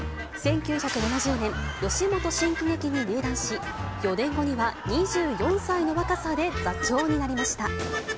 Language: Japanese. １９７０年、吉本新喜劇に入団し、４年後には２４歳の若さで座長になりました。